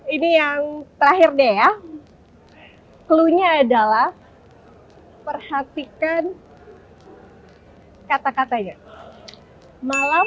ini yang terakhir deh ya clue nya adalah perhatikan kata katanya malam